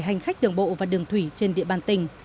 hành khách đường bộ và đường thủy trên địa bàn tỉnh